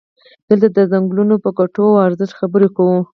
دلته د څنګلونو په ګټو او ارزښت خبرې کوو.